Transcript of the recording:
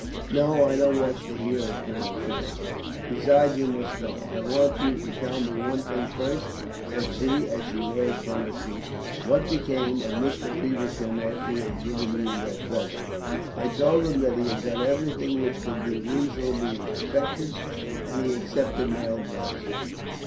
"No. I don't wish to hear of Colonel Trench. Besides, you must go. I want you to tell me one thing first," said she, as she rose from her seat. "What became of Mr. Feversham after he had given you that feather?" "I told him that he had done everything which could be reasonably expected; and he accepted my advice.